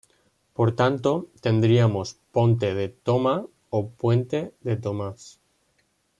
Por tanto tendríamos Ponte de Thoma o Puente de Tomás.